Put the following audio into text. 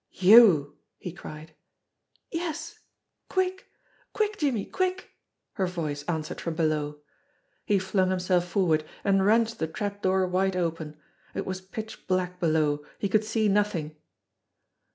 "You!" he cried. "Yes! Quick! Quick, Jimmie, quick!" her voice an' swered from below. He flung himself forward, and wrenched the trap dooi wide open. It was pitch black below ; he could see nothing.